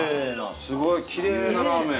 すごいキレイなラーメン。